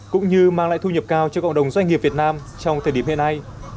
cũng như mang lại thu nhập cao cho cộng đồng doanh nghiệp việt nam trong thời điểm hiện nay